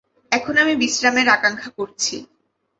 এখন আমি বিশ্রামের আকাঙ্ক্ষা করছি।